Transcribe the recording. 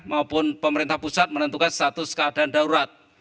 maupun pemerintah pusat menentukan status keadaan darurat